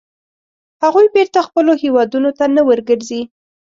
هغوی بېرته خپلو هیوادونو ته نه ورګرځي.